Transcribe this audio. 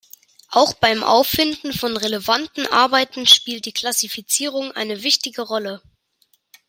Auch beim Auffinden von relevanten Arbeiten spielt die Klassifizierung eine wichtige Rolle.